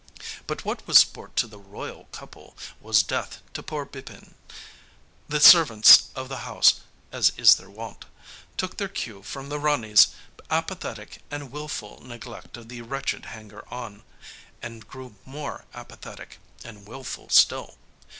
But what was sport to the 'royal' couple, was death to poor Bipin. The servants of the house, as is their wont, took their cue from the Rani's apathetic and wilful neglect of the wretched hanger on, and grew more apathetic and wilful still.